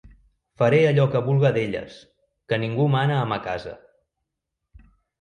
Faré allò que vulga d'elles, que ningú mana a ma casa.